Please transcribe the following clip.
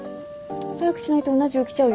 早くしないとうな重来ちゃうよ。